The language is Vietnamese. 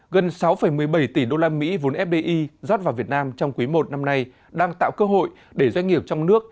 gần sáu một mươi bảy tỷ usd vốn fdi rót vào việt nam trong quý i năm nay đang tạo cơ hội để doanh nghiệp trong nước